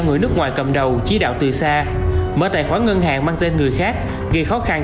người nước ngoài cầm đầu chỉ đạo từ xa mở tài khoản ngân hàng mang tên người khác gây khó khăn